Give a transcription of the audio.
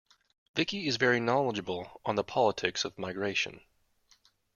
Vicky is very knowledgeable on the politics of migration.